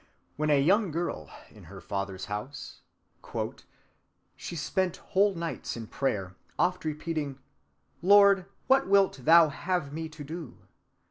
When a young girl, in her father's house,— "She spent whole nights in prayer, oft repeating: _Lord, what wilt thou have me to do?